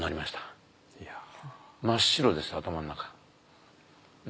真っ白です頭の中。